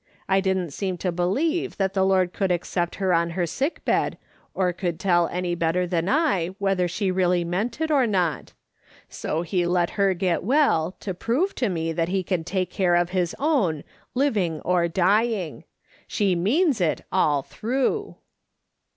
I didn't seem to believe that the Lord could accept her on her sick bed, or could tell any better than I, whether she really meant it or not ; so he let her get well, to prove to me that he can take care of his own, living or dying. She means it, all through."